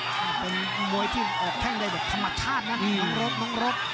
เป็นมวยที่ออกแข้งได้ด้วยธรรมชาตินะน้องรถน้องรถ